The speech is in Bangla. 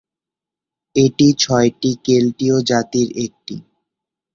এটি ছয়টি কেল্টীয় জাতির একটি।